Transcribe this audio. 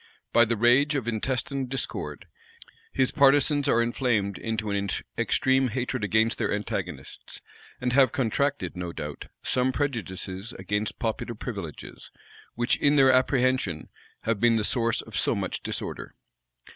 By the rage of intestine discord, his partisans are inflamed into an extreme hatred against their antagonists; and have contracted, no doubt, some prejudices against popular privileges, which, in their apprehension, have been the source of so much disorder.